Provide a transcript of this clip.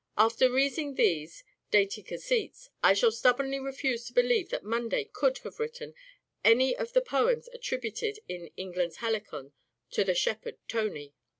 After reading these ' Dainty Conceits ' I shall stubbornly refuse to believe that Munday could have written any of the poems attributed in ' England's Helicon' to the Shepherd Tony."